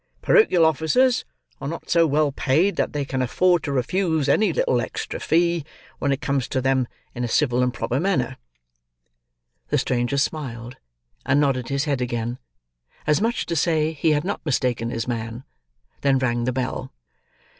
Porochial officers are not so well paid that they can afford to refuse any little extra fee, when it comes to them in a civil and proper manner." The stranger smiled, and nodded his head again: as much to say, he had not mistaken his man; then rang the bell.